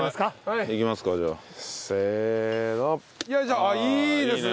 あっいいですね。